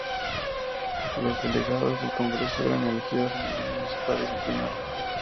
Los delegados del Congreso eran elegidos a nivel municipal y regional.